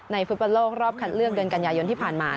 ในฟุตบันโลกรอบคันเรื่องเกินกันยายนที่ผ่านมา